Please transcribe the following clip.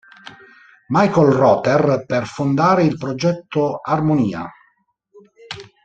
Michael Rother per fondare il progetto Harmonia.